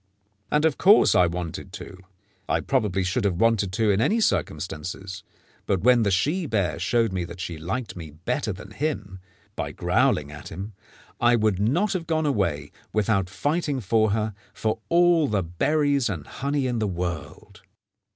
And of course I wanted to. I probably should have wanted to in any circumstances, but when the she bear showed that she liked me better than him, by growling at him, I would not have gone away, without fighting for her, for all the berries and honey in the world.